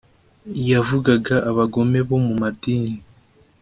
yavugaga abagome bo mu madini.